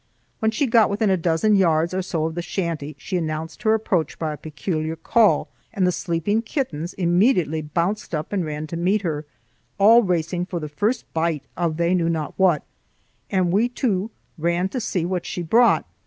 When she got within a dozen yards or so of the shanty, she announced her approach by a peculiar call, and the sleeping kittens immediately bounced up and ran to meet her, all racing for the first bite of they knew not what, and we too ran to see what she brought.